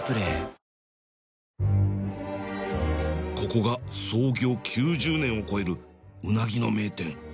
ここが創業９０年を超えるウナギの名店